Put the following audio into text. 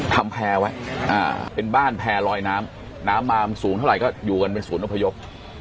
ทำแพร่ไว้เป็นบ้านแพร่ลอยน้ำน้ำมามันสูงเท่าไหร่ก็อยู่กันเป็นศูนย์อพยพ